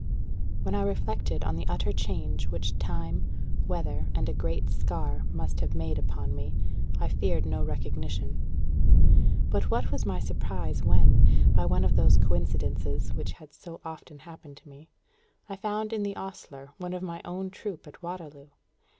When I reflected on the utter change which time, weather, and a great scar must have made upon me, I feared no recognition. But what was my surprise when, by one of those coincidences which have so often happened to me, I found in the ostler one of my own troop at Waterloo!